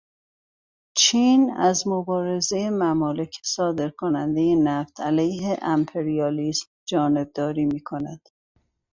چین از مبارزهٔ ممالک صادر کننده نفت علیه امپریالیسم جانبداری میکند.